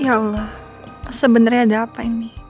ya allah sebenarnya ada apa ini